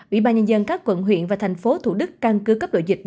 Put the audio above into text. ủy ban nhân dân các quận huyện và thành phố thủ đức căn cứ cấp độ dịch